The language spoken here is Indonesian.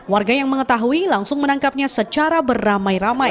warga yang mengetahui langsung menangkapnya secara beramai ramai